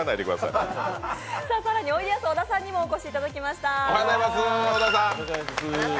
更においでやす小田さんにもお越しいただきました。